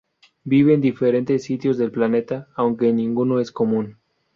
Vive en diferentes sitios del planeta, aunque en ninguno es común.